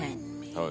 そう！